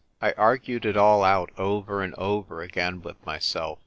I argued it all out over and over again with myself.